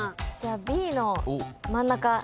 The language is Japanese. Ｂの真ん中。